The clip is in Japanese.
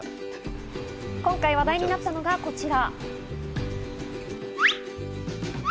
今回、話題になったのがこちら。